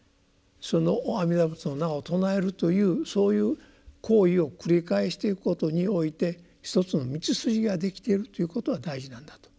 その阿弥陀仏の名を称えるというそういう行為を繰り返していくことにおいて一つの道筋ができているということが大事なんだと。